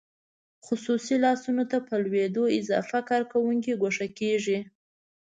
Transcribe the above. خصوصي لاسونو ته په لوېدو اضافه کارکوونکي ګوښه کیږي.